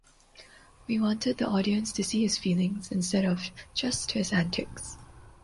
We wanted the audience to see his feelings instead of just his antics.